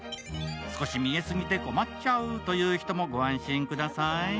少し見え過ぎて困っちゃうという人もご安心ください。